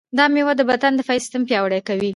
دا مېوه د بدن دفاعي سیستم پیاوړی کوي.